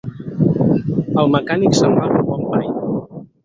El mecànic semblava un bon paio.